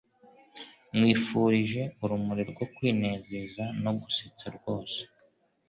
Nkwifurije urumuri rwo kwinezeza no gusetsa rwose